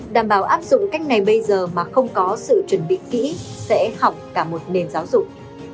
đảm bảo áp dụng cách này bây giờ mà không có sự chuẩn bị kỹ sẽ học cả một nền giáo dục